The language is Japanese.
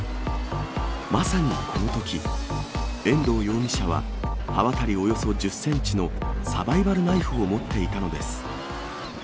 まさにこのとき、遠藤容疑者は刃渡りおよそ１０センチのサバイバルナイフを持っていたのです。